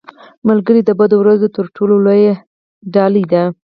ملګری د بدو ورځو تر ټولو لویه ډال دی